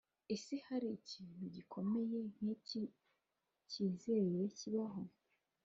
ese hari ikintu gikomeye nk’iki cyigeze kibaho,